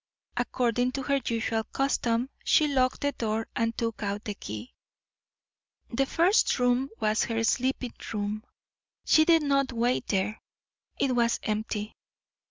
According to her usual custom, she locked the door and took out the key. The first room was her sleeping room. She did not wait there; it was empty.